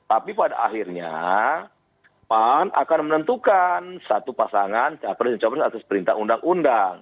tapi pada akhirnya pan akan menentukan satu pasangan capres dan capres atas perintah undang undang